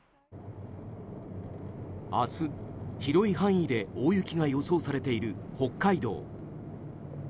明日、広い範囲で大雪が予想されている北海道。